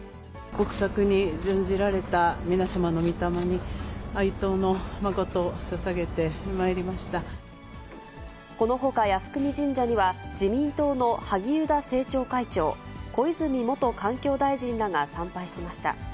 国策に殉じられた皆様のみ霊に、哀悼の誠をささげてまいりまこのほか、靖国神社には、自民党の萩生田政調会長、小泉元環境大臣らが参拝しました。